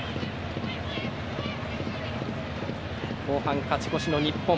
後半勝ち越しの日本。